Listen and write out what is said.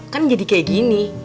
kan jadi kayak gini